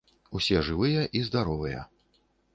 Усе жывыя і здаровыя.